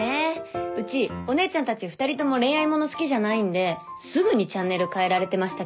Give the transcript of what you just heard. うちお姉ちゃんたち２人とも恋愛物好きじゃないんですぐにチャンネル変えられてましたけど。